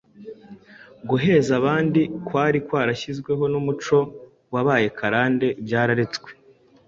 guheza abandi kwari kwarashyizweho n’umuco wabaye akarande byararetswe